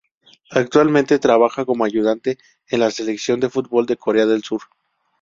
Actualmente trabaja como ayudante en la Selección de fútbol de Corea del Sur.